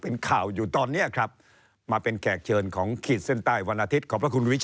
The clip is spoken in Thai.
โอ้โอ้โอ้โอ้